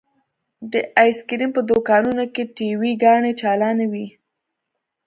د ايسکريم په دوکانونو کښې ټي وي ګانې چالانې وې.